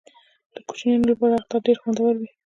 د کوچنیانو لپاره اختر ډیر خوندور وي.